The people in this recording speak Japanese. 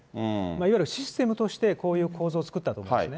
いわゆるシステムとしてこういう構図を作ったと思うんですね。